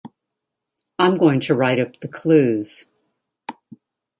I'm going to write up the clues